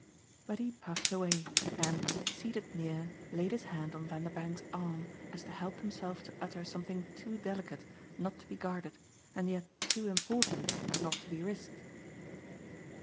But he puffed away and, seated near, laid his hand on Vanderbank's arm as to help himself to utter something too delicate not to be guarded and yet too important not to be risked.